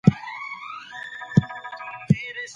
منزل مو یو پرمختللی افغانستان دی.